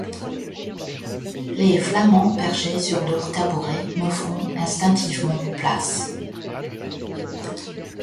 Les Flamands perchés sur leurs tabourets me font instinctivement place.